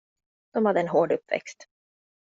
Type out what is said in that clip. De hade en hård uppväxt.